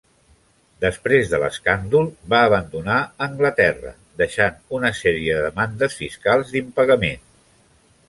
Després de l'escàndol, va abandonar Anglaterra, deixant una sèrie de demandes fiscals d'impagament.